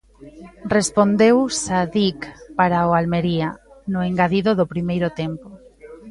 Respondeu Sadiq para o Almería, no engadido do primeiro tempo.